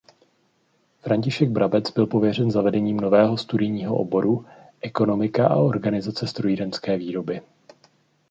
František Brabec byl pověřen zavedením nového studijního oboru „Ekonomika a organizace strojírenské výroby“.